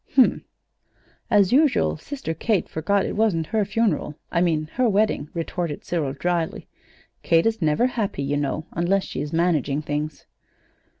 "Hm m; as usual Sister Kate forgot it wasn't her funeral I mean, her wedding," retorted Cyril, dryly. "Kate is never happy, you know, unless she's managing things."